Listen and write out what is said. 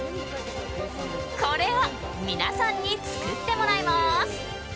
これを皆さんに作ってもらいます。